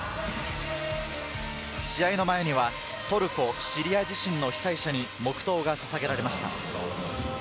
試合の前にはトルコ・シリア地震の被災者に黙とうがささげられました。